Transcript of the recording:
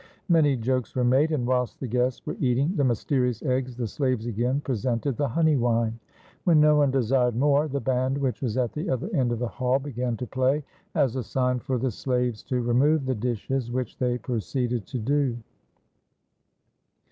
Many jokes were made, and whilst the guests were eating the mysterious eggs, the slaves again pre sented the honey wine. When no one desired more, the band, which was at the other end of the hall, began to play, as a sign for the slaves to remove the dishes, which they proceeded to do.